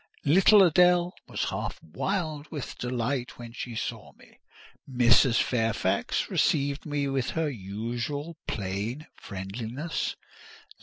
Little Adèle was half wild with delight when she saw me. Mrs. Fairfax received me with her usual plain friendliness.